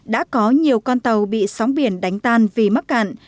đã có nhiều con tàu bị sóng biển đánh tan vì mắc cạn